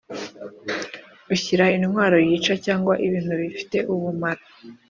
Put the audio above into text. ushyira intwaro yica cyangwa ibintu bifite ubumara